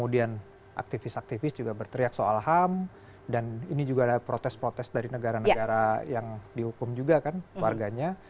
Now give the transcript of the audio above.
aktivis aktivis juga berteriak soal ham dan ini juga ada protes protes dari negara negara yang dihukum juga kan warganya